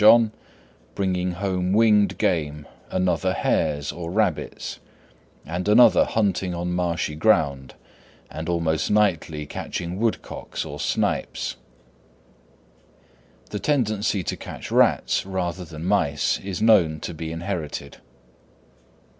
John, bringing home winged game, another hares or rabbits, and another hunting on marshy ground and almost nightly catching woodcocks or snipes. The tendency to catch rats rather than mice is known to be inherited.